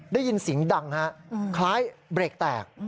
ได้ยินสิงห์ดังคล้ายเบรคแตก